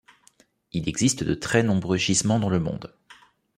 Il existe de très nombreux gisements dans le monde.